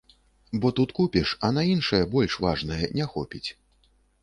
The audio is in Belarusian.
Бо тут купіш, а на іншае, больш важнае, не хопіць.